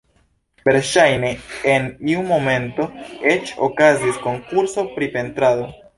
Verŝajne en iu momento eĉ okazis konkurso pri pentrado.